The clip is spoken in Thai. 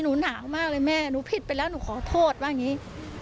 หนาวมากเลยแม่หนูผิดไปแล้วหนูขอโทษว่าอย่างนี้